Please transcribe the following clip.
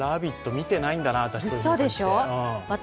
見てないんだな、私。